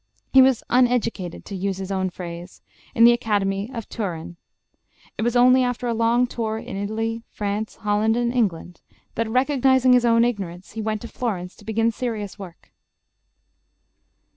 He was "uneducated," to use his own phrase, in the Academy of Turin. It was only after a long tour in Italy, France, Holland, and England, that, recognizing his own ignorance, he went to Florence to begin serious work.